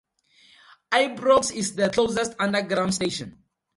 Ibrox is the closest underground station.